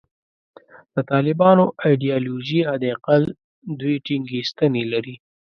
د طالبانو ایدیالوژي حد اقل دوې ټینګې ستنې لري.